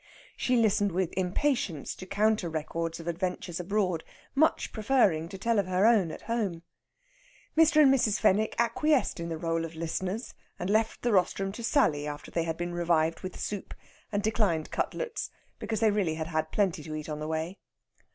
She listened with impatience to counter records of adventures abroad, much preferring to tell of her own at home. Mr. and Mrs. Fenwick acquiesced in the rôle of listeners, and left the rostrum to Sally after they had been revived with soup, and declined cutlets, because they really had had plenty to eat on the way.